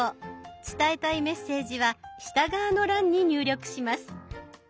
伝えたいメッセージは下側の欄に入力します。